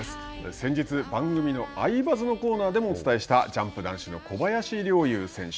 先日、番組の「アイバズ」のコーナーでもお伝えしたジャンプ男子の小林陵侑選手。